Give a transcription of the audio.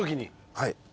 はい。